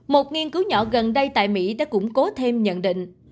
một nghiên cứu nhỏ gần đây tại mỹ đã củng cố thêm nhận định